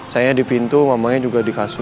sayangnya di pintu mamanya juga di kasur